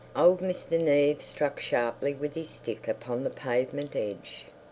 Old Mr. Neave struck sharply with his stick upon the pavement edge.